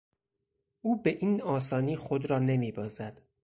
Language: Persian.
او به این آسانی خود را نمیبازد.